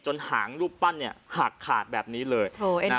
หางรูปปั้นหักขาดแบบนี้เลย